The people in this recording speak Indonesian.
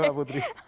iya pak putri